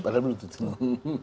padahal belum tutup